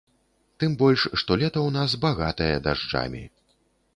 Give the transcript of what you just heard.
Тым больш, што лета ў нас багатае дажджамі.